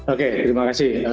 oke terima kasih